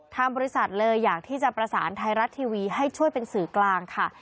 ทางบริษัทเลยอยากที่จะประสานไทยรัฐทีวีให้ช่วยเป็นสื่อกลางค่ะ